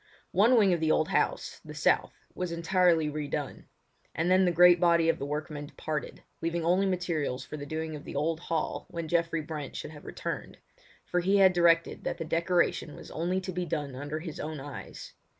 One wing of the old house, the south, was entirely re done; and then the great body of the workmen departed, leaving only materials for the doing of the old hall when Geoffrey Brent should have returned, for he had directed that the decoration was only to be done under his own eyes.